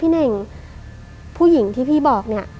เน่งผู้หญิงที่พี่บอกเนี่ย